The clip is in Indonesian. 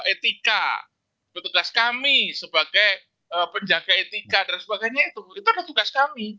etika petugas kami sebagai penjaga etika dan sebagainya itu itu adalah tugas kami